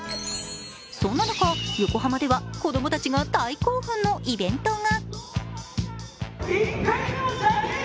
そんな中、横浜では子供たちが大興奮のイベントが。